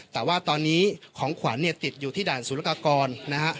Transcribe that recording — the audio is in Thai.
แต่ว่าตอนนี้ของขวัญติดอยู่ที่ด่านศูนย์รักษากร